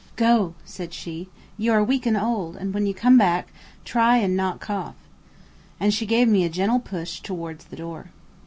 "Go," said she; "you are weak and old; and when you come back, try and not cough." And she gave me a gentle push towards the door.